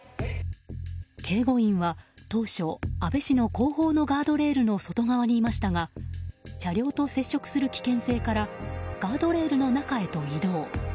警護員は当初、安倍氏の後方のガードレールの外側にいましたが車両と接触する危険性からガードレールの中へと移動。